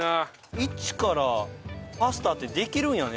一からパスタってできるんやね。